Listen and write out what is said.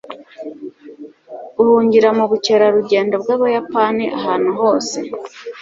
uhungira mubukerarugendo bwabayapani ahantu hose